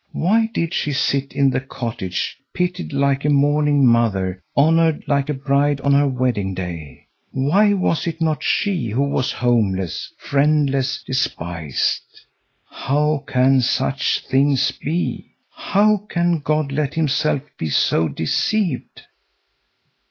Why did she sit in the cottage, pitied like a mourning mother, honored like a bride on her wedding day? Why was it not she who was homeless, friendless, despised? How can such things be? How can God let himself be so deceived?